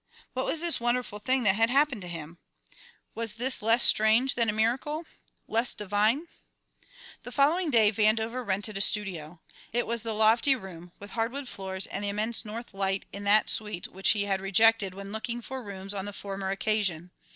What was this wonderful thing that had happened to him? Was this less strange than a miracle? Less divine? The following day Vandover rented a studio. It was the lofty room with hardwood floors and the immense north light in that suite which he had rejected when looking for rooms on the former occasion.